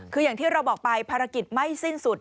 คืออย่างที่เราบอกไปภารกิจไม่สิ้นสุด